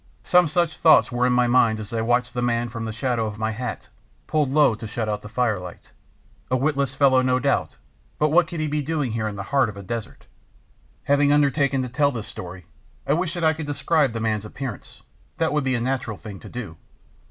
Some such thoughts were in my mind as I watched the man from the shadow of my hat, pulled low to shut out the firelight. A witless fellow, no doubt, but what could he be doing there in the heart of a desert? Having undertaken to tell this story, I wish that I could describe the man's appearance; that would be a natural thing to do.